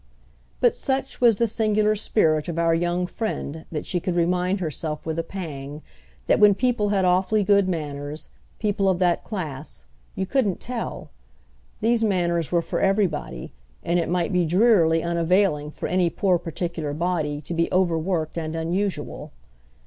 But such was the singular spirit of our young friend that she could remind herself with a pang that when people had awfully good manners—people of that class,—you couldn't tell. These manners were for everybody, and it might be drearily unavailing for any poor particular body to be overworked and unusual.